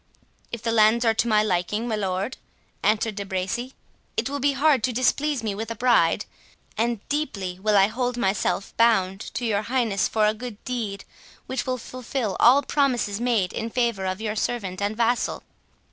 "If the lands are to my liking, my lord," answered De Bracy, "it will be hard to displease me with a bride; and deeply will I hold myself bound to your highness for a good deed, which will fulfil all promises made in favour of your servant and vassal."